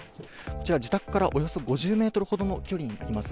こちら、自宅からおよそ５０メートルほどの距離になります。